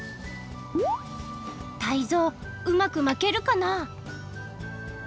タイゾウうまく巻けるかな？